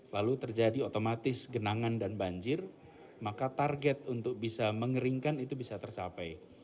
lalu terjadi otomatis genangan dan banjir maka target untuk bisa mengeringkan itu bisa tercapai